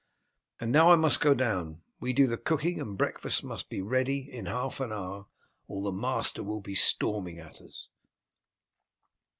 And now I must go down. We do the cooking, and breakfast must be ready in half an hour, or the master will be storming at us."